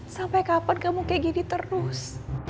sampai kapan kamu kayak gini terus